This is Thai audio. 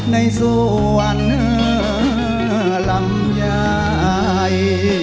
ในส่วนลำยาย